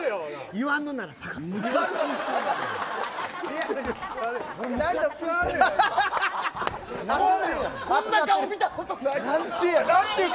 言わんのなら下がろう。